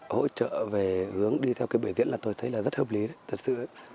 hỗ trợ về hướng đi theo cây bể diễn là tôi thấy rất hợp lý thật sự